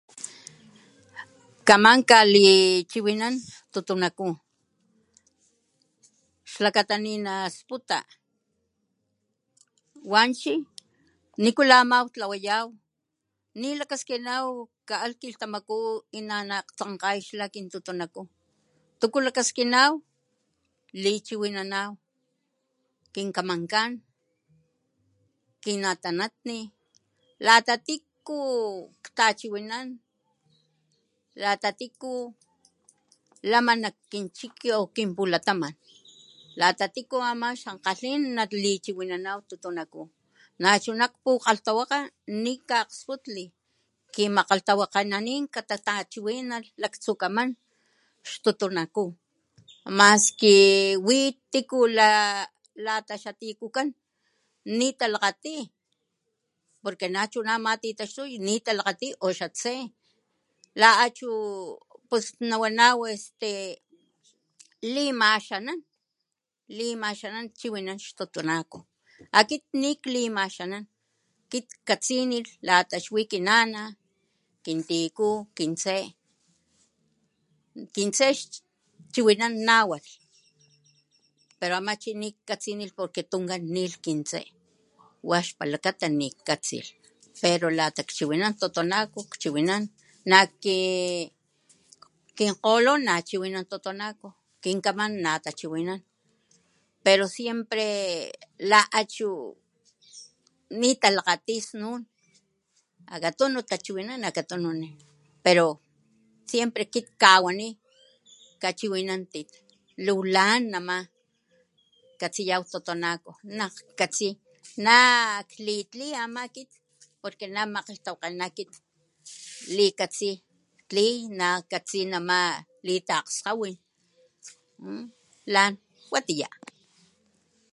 Kaman kalichiwinan litotonaku xlakata ninasputa wanchi nikula aman tlawayaw nikaskinaw kaalh kilhtamaku y nalakgtsankgay xlitutunaku tuku kakaskinaw lichiwinana kinkamankan kinatanajni lata tiku ktachiwinan lata tiku lama nak kinchik o nak kinpultaman lata ama tiku xankgalhn chiwinanaw tototnaku nachuna nak pukgalhtawakga kaakgsputli kimakgalhtawakgenanin katatachiwinalh laktsukaman xtotnaku maski wi latiko lata xatikukan nitalakgati porque nachuna ama titaxtuy nitalakgtiy o xatse la chu nawanaw que limaxanan chiwinan xtotonako akit niklimaxanan akit katsinilh lata xwi kinana kintiku kintse kintse xchiwinan nahualh pero ama chi nikatsinilh porque tunkan nilh kintse wax palakata nikatsilh pero lata chiwinan tototnaco chiwinan kinkgolo nahiwinan totonako kinkaman natachiwinan pero siempre la achu nitalakgati snun akatunu tachiwinan akatunu nitu tachiwinananpero kit siempre akit kawani kachiwinantit luwa lan nama katsiyaw tototnaco katsi nak klitli akit ama porque namakgalhtawakgena akit klikatsi tliy nakatsi nama litaskgawin lan watiya.